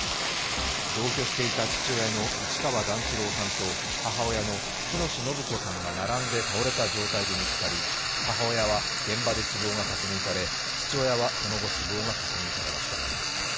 同居していた父親の市川段四郎さんと母親の喜熨斗延子さんが並んで倒れた状態で見つかり母親は現場で死亡が確認され父親はその後、死亡が確認されました。